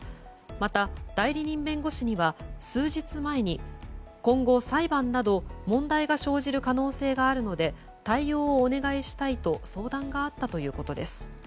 また、代理人弁護士には数日前に今後、裁判など問題が生じる可能性があるので対応をお願いしたいと相談があったということです。